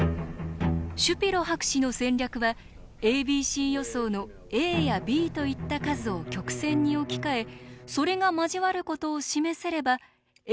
シュピロ博士の戦略はａｂｃ予想のａやｂといった数を曲線に置き換えそれが交わることを示せればａｂｃ